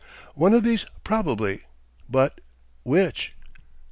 One of these probably ... But which?...